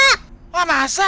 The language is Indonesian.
atul leak dikacau